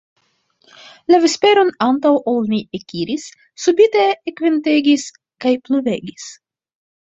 La vesperon antaŭ ol ni ekiris, subite ekventegis kaj pluvegis.